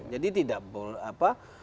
jadi tidak apa apa